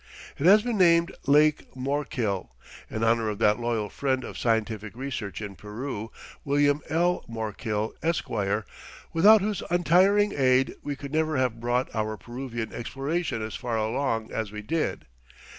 It has been named "Lake Morkill" in honor of that loyal friend of scientific research in Peru, William L. Morkill, Esq., without whose untiring aid we could never have brought our Peruvian explorations as far along as we did.